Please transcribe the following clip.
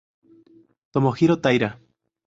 Tomohiro Taira